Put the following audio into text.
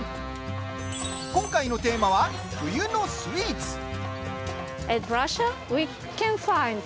今回のテーマは、冬のスイーツ。